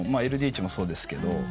ＬＤＨもそうですけど。